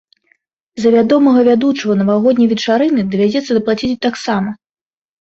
За вядомага вядучага навагодняй вечарыны давядзецца даплаціць таксама.